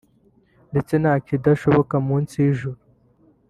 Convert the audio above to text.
ndetse nta kidashoboka munsi y’Ijuru